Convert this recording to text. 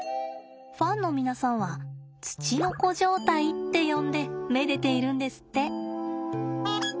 ファンの皆さんはツチノコ状態って呼んでめでているんですって。